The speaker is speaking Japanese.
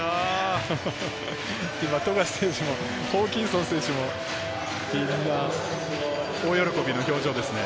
富樫選手もホーキンソン選手も、みんな大喜びの表情ですね。